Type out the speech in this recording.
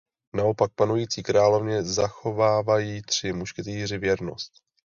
Naopak panující královně zachovávají tři mušketýři věrnost.